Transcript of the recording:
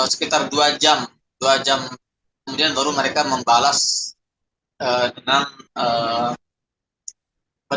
sekitar dua jam dua jam kemudian baru mereka membalas dengan